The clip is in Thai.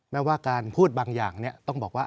แม้ว่าการพูดบางอย่างต้องบอกว่า